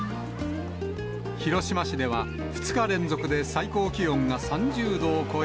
広島市では、２日連続で最高気温が３０度を超え。